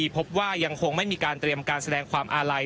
พบว่ายังคงไม่มีการเตรียมการแสดงความอาลัย